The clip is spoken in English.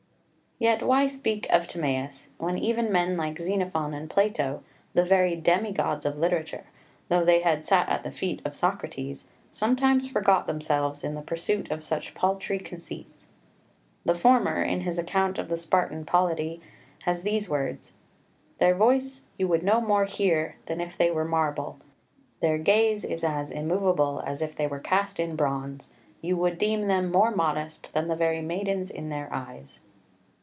4 Yet why speak of Timaeus, when even men like Xenophon and Plato the very demi gods of literature though they had sat at the feet of Socrates, sometimes forgot themselves in the pursuit of such paltry conceits. The former, in his account of the Spartan Polity, has these words: "Their voice you would no more hear than if they were of marble, their gaze is as immovable as if they were cast in bronze; you would deem them more modest than the very maidens in their eyes."